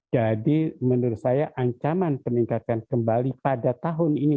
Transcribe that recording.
jadi menurut saya ancaman peningkatan kembali pada tahun ini